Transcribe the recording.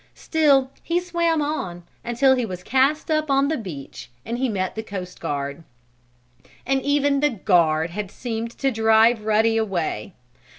Still he swam on, until he was cast up on the beach and he met the coast guard. And even the guard had seemed to drive Ruddy away.